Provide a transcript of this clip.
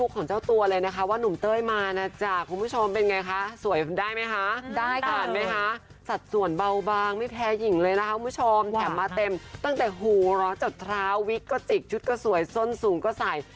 คุณผู้ชมแถมมาเต็มตั้งแต่หูร้อจดเท้าวิกก็จิกชุดก็สวยส้นสูงก็ใส่